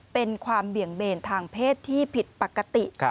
เป็นความเบี่ยงเบนทางเพศที่ผิดปกติ